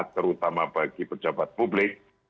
terutama bagi pejabat publik